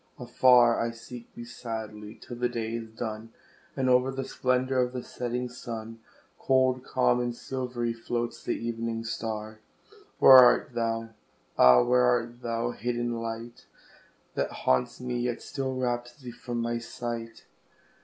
Afar I seek thee sadly, till the day is done, And o'er the splendour of the setting sun, Cold, calm, and silvery, floats the evening star; Where art thou? Ah! where art thou, hid in light That haunts me, yet still wraps thee from my sight?